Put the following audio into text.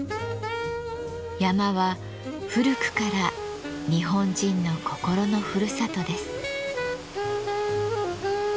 山は古くから日本人の心のふるさとです。